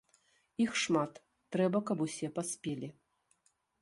Іх шмат, трэба каб усе паспелі.